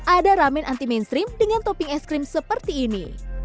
ada ramen anti mainstream dengan topping es krim seperti ini